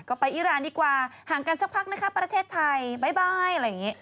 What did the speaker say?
ก็ไปอีรานดีกว่าห่างกันสักพักนะคะประเทศไทยบ๊ายอะไรอย่างนี้